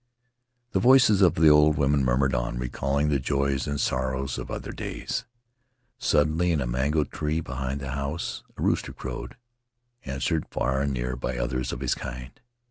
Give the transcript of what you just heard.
..." The voices of the old women murmured on, recalling the joys and sorrows of other days. Suddenly, in a mango tree behind the house, a rooster crowed, an swered far and near by others of his kind.